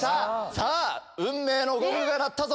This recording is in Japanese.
さぁ運命のゴングが鳴ったぞ。